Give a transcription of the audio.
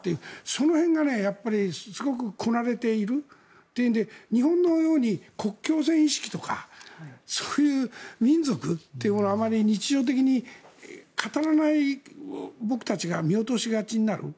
その辺がすごくこなれているというので日本のように国境線意識とかそういう民族というものをあまり日常的に語らない僕たちが見落としがちになる。